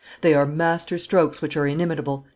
They are master strokes which are inimitable."